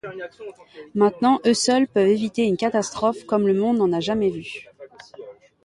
Maintenant eux seuls peuvent éviter une catastrophe comme le monde n'en a jamais vu.